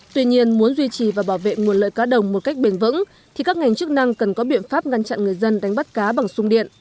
tuy nhiên muốn duy trì và bảo vệ nguồn lợi cá đồng một cách bền vững thì các ngành chức năng cần có biện pháp ngăn chặn người dân đánh bắt cá bằng sung điện